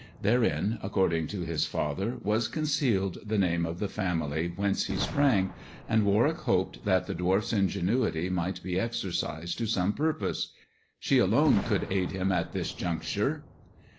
Therein, according to his father, was concealed the name of the family whence he sprang, and Warwick hoped that the dwarf's ingenuity might be exercised to some purpose. She alone could aid him at this juncture.